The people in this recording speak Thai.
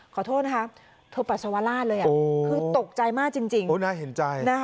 ขอโทษนะคะเธอปัสสาวราชเลยคือตกใจมากจริงน่าเห็นใจ